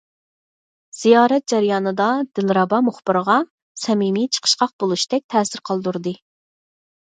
زىيارەت جەريانىدا، دىلرەبا مۇخبىرغا« سەمىمىي، چىقىشقاق بولۇش» تەك تەسىر قالدۇردى.